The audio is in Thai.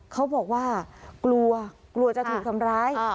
เขาบอกว่ากลัวกลัวจะถูกทำร้าย